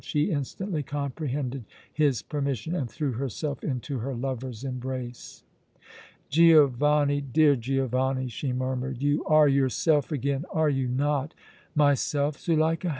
She instantly comprehended his permission and threw herself into her lover's embrace. "Giovanni, dear Giovanni," she murmured, "you are yourself again, are you not?" "Myself, Zuleika?